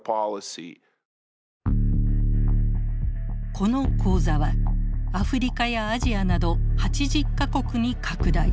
この講座はアフリカやアジアなど８０か国に拡大。